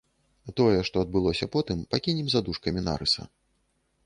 Тое, што адбылося потым, пакінем за дужкамі нарыса.